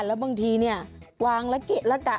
แล้วบางทีเนี่ยวางละเกะละกะ